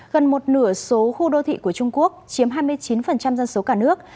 gần một nửa số khu đô thị của trung quốc chiếm hai mươi chín dân số cả nước